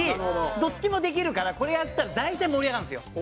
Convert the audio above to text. どっちもできるからこれやったら大体盛り上がるんですよ。